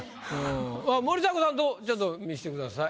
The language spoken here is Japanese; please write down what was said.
森迫さんちょっと見してください。